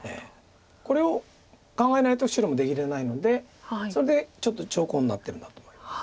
これを考えないと白も出切れないのでそれでちょっと長考になってるんだと思います。